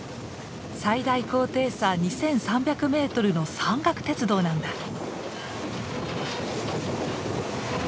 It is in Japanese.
最大高低差２，３００メートルの山岳鉄道なんだ！